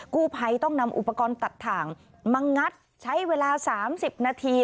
กู้ภัยต้องนำอุปกรณ์ตัดถ่างมางัดใช้เวลา๓๐นาที